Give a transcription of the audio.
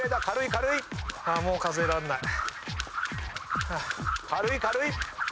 軽い軽い。